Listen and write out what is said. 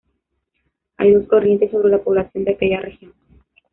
Hay dos corrientes sobre la población de aquella región.